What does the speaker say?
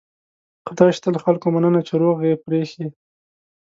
خدای شته له خلکو مننه چې روغ یې پرېښي.